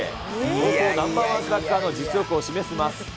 高校ナンバー１スラッガーの実力を示します。